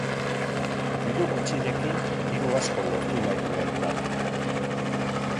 Diru gutxirekin, diru asko lortu nahi duen plana.